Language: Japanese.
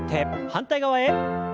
反対側へ。